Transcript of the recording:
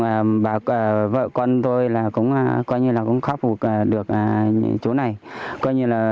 và vợ con tôi cũng khắc phục